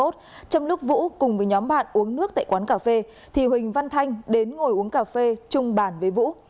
trong lúc vũ cùng với nhóm bạn uống nước tại quán cà phê thì huỳnh văn thanh đến ngồi uống cà phê chung bản với vũ